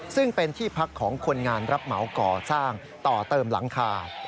ซึ่งเป็นที่พักของคนงานรับเหมาก่อสร้างต่อเติมหลังคา